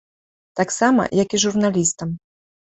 Таксама, як і журналістам.